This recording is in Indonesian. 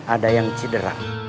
ada yang cederam